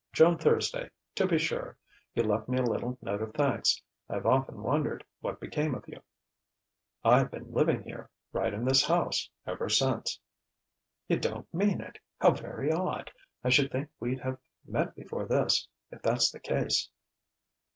Joan Thursday to be sure! You left me a little note of thanks. I've often wondered what became of you." "I've been living here, right in this house, ever since." "You don't mean it. How very odd! I should think we'd have met before this, if that's the case."